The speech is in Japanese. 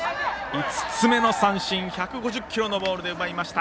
５つ目の三振を１５０キロのボールで奪いました。